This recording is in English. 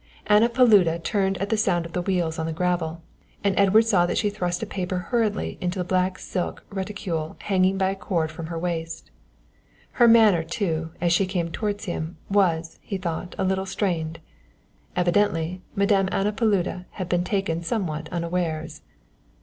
Anna Paluda turned at the sound of the wheels on the gravel, and Edward saw that she thrust a paper hurriedly into the black silk reticule hanging by a cord from her waist. Her manner, too, as she came towards him, was, he thought, a little strained. Evidently Madame Anna Paluda had been taken somewhat unawares.